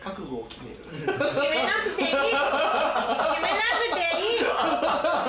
決めなくていい！